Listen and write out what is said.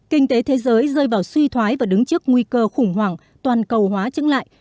kinh tế thế giới rơi vào suy thoái và đứng trước nguy cơ khủng hoảng toàn cầu hóa chứng lại